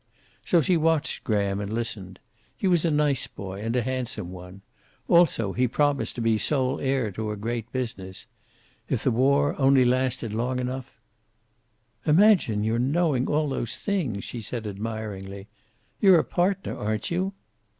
So she watched Graham and listened. He was a nice boy and a handsome one. Also he promised to be sole heir to a great business. If the war only lasted long enough "Imagine your knowing all those things," she said admiringly. "You're a partner, aren't you?"